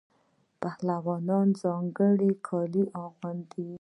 پهلوانان ځانګړي کالي اغوندي.